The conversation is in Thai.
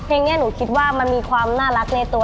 เพลงนี้หนูคิดว่ามันมีความน่ารักในตัว